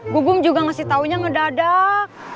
gubum juga ngasih taunya ngedadak